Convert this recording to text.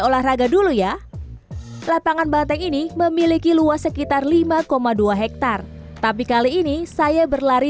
olahraga dulu ya lapangan banteng ini memiliki luas sekitar lima dua hektar tapi kali ini saya berlari